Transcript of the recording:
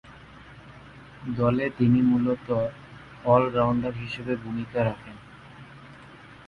দলে তিনি মূলতঃ অল-রাউন্ডার হিসেবে ভূমিকা রাখেন।